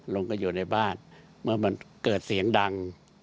ลงก็อยู่ในบ้านเมื่อมันเกิดเสียงดัง